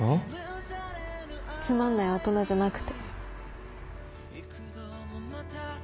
つまんない大人じゃなくて。